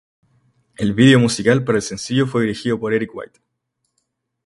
El video musical para el sencillo fue dirigido por Erik White.